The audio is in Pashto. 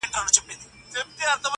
په یوه شان وه د دواړو معاسونه.